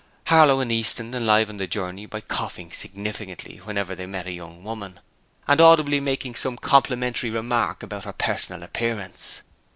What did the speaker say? Harlow and Easton enlivened the journey by coughing significantly whenever they met a young woman, and audibly making some complimentary remark about her personal appearance.